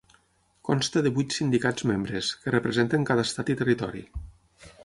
Consta de vuit sindicats membres, que representen cada estat i territori.